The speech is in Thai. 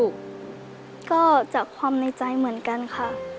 จากความในใจเหมือนกันค่ะ